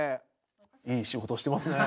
いい仕事してますね。